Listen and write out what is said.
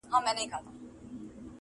د دريو مياشتو پاچهي به مي په ښه وي.!